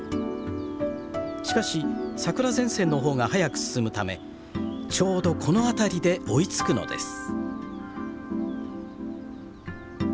しかし桜前線の方が早く進むためちょうどこの辺りで追いつくのです。